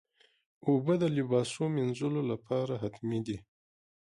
اوبه د لباسو مینځلو لپاره حتمي دي.